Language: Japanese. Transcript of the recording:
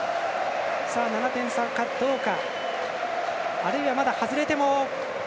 ７点差かどうか。